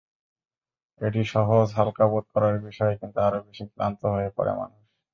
এটি সহজ, হালকাবোধ করার বিষয়, কিন্তু আরও বেশি ক্লান্ত হয়ে পড়ে মানুষ।